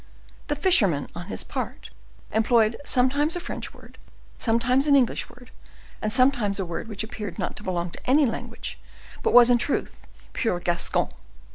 The fisherman, on his part, employed sometimes a French word, sometimes an English word, and sometimes a word which appeared not to belong to any language, but was, in truth, pure Gascon.